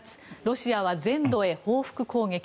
ロシアは全土へ報復攻撃。